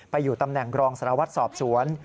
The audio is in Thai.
ไปอยู่ตำแหน่งรองสลาวัฒน์สอบสวน